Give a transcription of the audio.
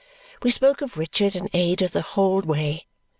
We spoke of Richard and Ada the whole way.